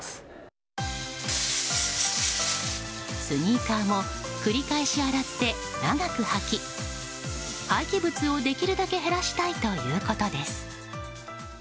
スニーカーも繰り返し洗って、長く履き廃棄物をできるだけ減らしたいということです。